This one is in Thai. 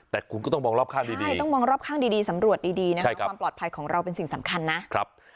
แต่คุณก็ต้องมองรอบข้างดีนะครับความปลอดภัยของเราเป็นสิ่งสำคัญนะครับ